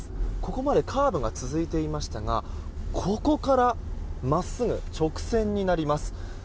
ここまでカーブが続いていましたがここから真っすぐ直線になります。